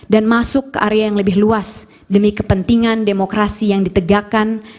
dan masuk ke area yang lebih luas demi kepentingan demokrasi yang ditegakkan